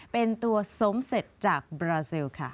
เป็นตัวสมเสร็จจากบราซิลค่ะ